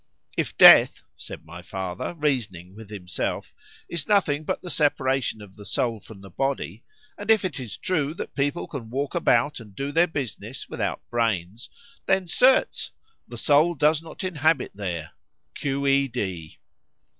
If death, said my father, reasoning with himself, is nothing but the separation of the soul from the body;—and if it is true that people can walk about and do their business without brains,—then certes the soul does not inhabit there. Q.E.D.